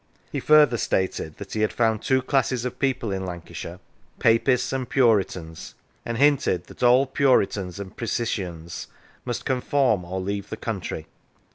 He further stated that he had found two classes of people in Lancashire : Papists and Puritans, and hinted that " all Puritans and Pre cisians " must conform or leave the country.